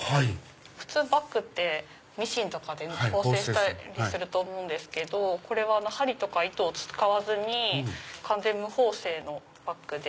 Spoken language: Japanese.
普通バッグってミシンとかで縫製すると思うんですけどこれは針とか糸を使わずに完全無縫製のバッグで。